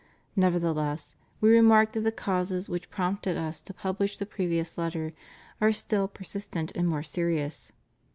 Nevertheless, We remark that the causes which prompted Us to pubUsh the previous Letter are still per sistent and more serious.